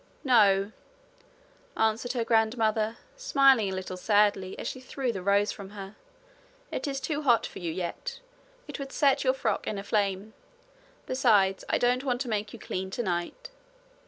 'No, answered her grandmother, smiling a little sadly, as she threw the rose from her; 'it is too hot for you yet. It would set your frock in a flame. Besides, I don't want to make you clean tonight.